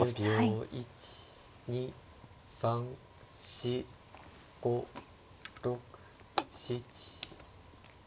１２３４５６７。